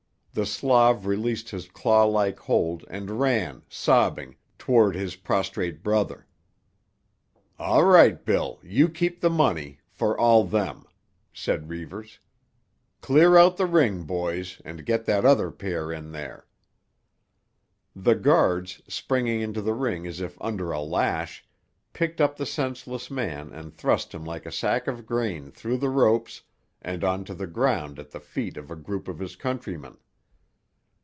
The Slav released his clawlike hold and ran, sobbing, toward his prostrate brother. "All right, Bill; you keep the money—for all them," said Reivers. "Clear out the ring, boys, and get that other pair in there." The guards, springing into the ring as if under a lash, picked up the senseless man and thrust him like a sack of grain through the ropes and on to the ground at the feet of a group of his countrymen.